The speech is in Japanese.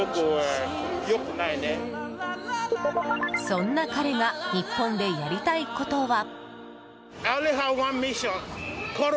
そんな彼が日本でやりたいことは。